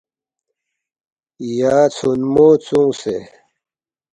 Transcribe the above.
یا ژھونمو ژونگسے